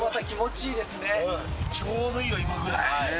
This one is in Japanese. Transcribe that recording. ちょうどいいよ、今ぐらい。